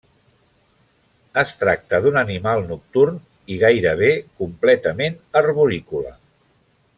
Es tracta d'un animal nocturn i gairebé completament arborícola.